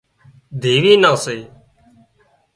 ڌيوِي نان سي